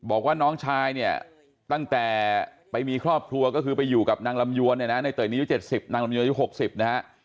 บอกว่าน้องชายเนี่ยตั้งแต่ไปมีครอบครัวก็คือไปอยู่กับนางลำยวนเนี่ยนะในเตยนี้อายุ๗๐นางลำยวนอายุ๖๐นะฮะ